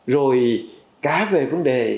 rồi cá về vấn đề